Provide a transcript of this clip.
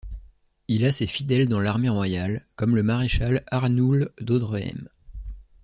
Il a ses fidèles dans l'armée royale, comme le maréchal Arnoul d'Audrehem.